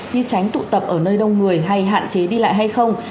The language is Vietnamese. như tránh tụ tập ở nơi đông người hay hạn chế đi lại hay không